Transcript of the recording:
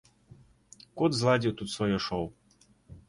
Кот зладзіў тут сваё шоў.